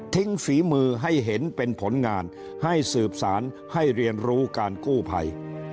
ฝีมือให้เห็นเป็นผลงานให้สืบสารให้เรียนรู้การกู้ภัย